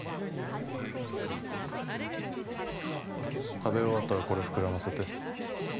食べ終わったらこれ膨らませて。